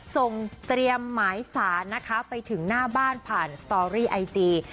ส่งเตรียมหมายสารนะคะไปถึงหน้าบ้านผ่านสตอรี่ไอจี